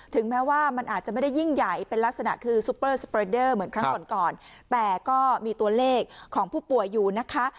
แม้ว่ามันอาจจะไม่ได้ยิ่งใหญ่เป็นลักษณะคือซุปเปอร์สเปรดเดอร์เหมือนครั้งก่อนก่อนแต่ก็มีตัวเลขของผู้ป่วยอยู่นะคะ